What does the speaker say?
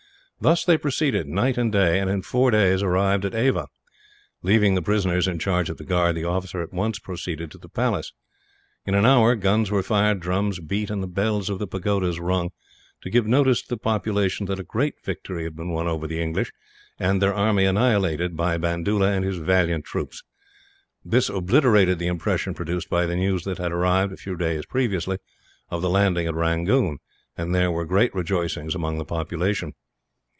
Thus they proceeded, night and day and, in four days, arrived at Ava. Leaving the prisoners in charge of the guard, the officer at once proceeded to the palace. In an hour guns were fired, drums beat, and the bells of the pagodas rung, to give notice to the population that a great victory had been won over the English, and their army annihilated, by Bandoola and his valiant troops. This obliterated the impression produced by the news that had arrived, a few days previously, of the landing at Rangoon; and there were great rejoicings among the population.